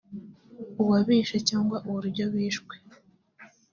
uwabishe cyangwa uburyo bishwe